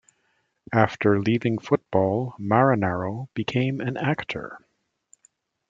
After leaving football, Marinaro became an actor.